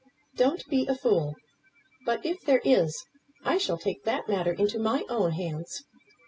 "Don't be a fool! But, if there is, I shall take that matter into my own hands.